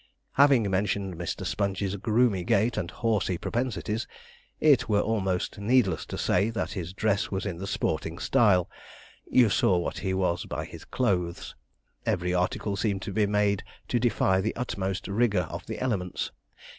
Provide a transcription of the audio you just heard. Having mentioned Mr. Sponge's groomy gait and horsey propensities, it were almost needless to say that his dress was in the sporting style you saw what he was by his clothes. Every article seemed to be made to defy the utmost rigour of the elements.